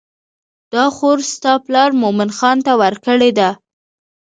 دا خور ستا پلار مومن خان ته ورکړې ده.